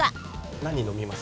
何飲みます？